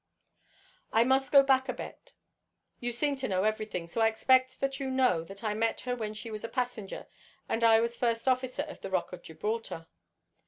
"I must go back a bit. You seem to know everything, so I expect that you know that I met her when she was a passenger and I was first officer of the ROCK OF GIBRALTAR.